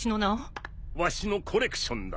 わしのコレクションだ。